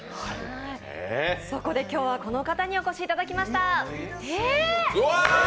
そこで今日は、この方にお越しいただきました。